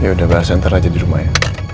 ya udah beras ntar aja di rumah ya